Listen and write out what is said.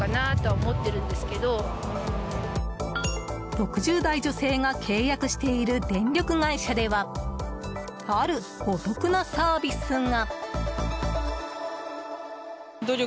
６０代女性が契約している電力会社ではあるお得なサービスが。